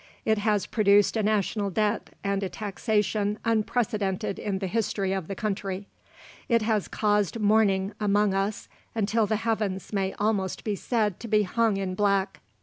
It has produced a national debt and a taxation unprecedented in the history of the country. It has caused mourning among us until the heavens may almost be said to be hung in black.